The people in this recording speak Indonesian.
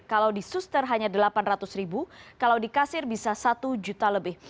kalau di suster hanya rp delapan ratus kalau di kasir bisa rp satu lebih